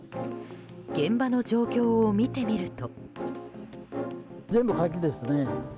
現場の状況を見てみると。